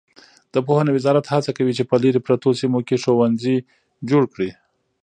د پوهنې وزارت هڅه کوي چې په لیرې پرتو سیمو کې ښوونځي جوړ کړي.